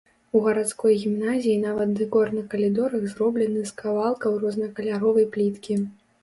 У гарадской гімназіі нават дэкор на калідорах зроблены з кавалкаў рознакаляровай пліткі.